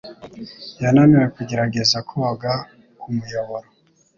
Yananiwe kugerageza koga Umuyoboro